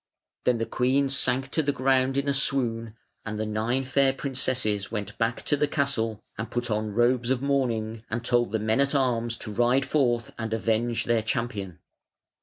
Then the queen sank to the ground in a swoon, and the nine fair princesses went back to the castle and put on robes of mourning, and told the men at arms to ride forth and avenge their champion.